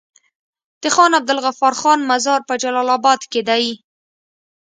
د خان عبدالغفار خان مزار په جلال اباد کی دی